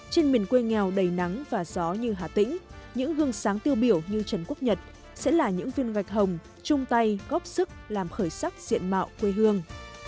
trên miền quê nghèo đầy nắng và gió như hà tĩnh những gương sáng tiêu biểu như trần quốc nhật sẽ là những viên gạch hồng chung tay góp sức làm khởi sắc diện mạo quê hương